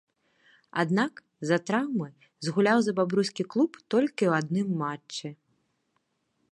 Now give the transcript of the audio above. Аднак, з-за траўмы згуляў за бабруйскі клуб толькі ў адным матчы.